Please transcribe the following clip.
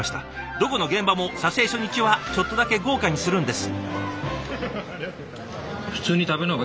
どこの現場も撮影初日はちょっとだけ豪華にするんです。